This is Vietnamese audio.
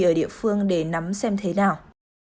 ở địa phương để nắm xem thế nào